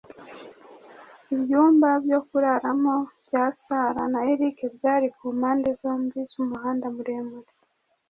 Ibyumba byo kuraramo bya Sarah na Eric byari ku mpande zombi z'umuhanda muremure.